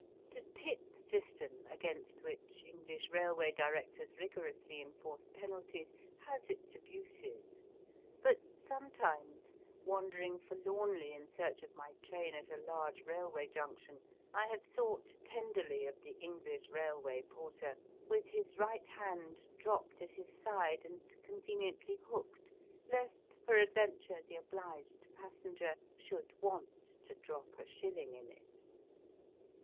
The tip" system, against which English railway directors rigorously enforce penalties, has its abuses ; but sometimes, wandering for lornly in search of my train at a large railway junction, I have thought tenderly of the English railway porter, with his right hand dropped at his side and conveniently hooked lest peradventure the obliged passenger should want to drop a shilling in it. Digitized by VjOOQIC 158 EAST BY WEST.